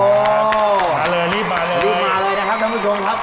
รีบมาเลยนะครับท่านผู้ชมครับ